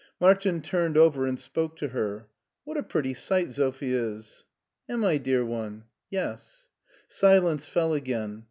Martin turned over and spoke to her. " What a pretty sight Sophie is." Am I, dear one ?"" Yes." Silence fell again.